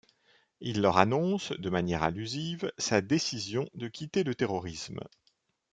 Il leur annonce, de manière allusive, sa décision de quitter le terrorisme.